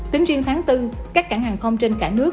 tính riêng tháng bốn các cảng hàng không trên cả nước